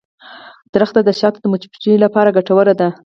• ونه د شاتو د مچیو لپاره ګټوره ده.